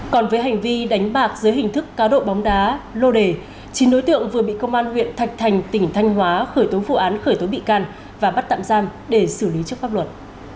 còn với hành vi đánh bạc dưới hình thức cá độ bóng đá lô đề chín đối tượng vừa bị công an huyện thạch thành tỉnh thanh hóa khởi tố vụ án khởi tố bị can và bắt tạm giam để xử lý trước pháp luật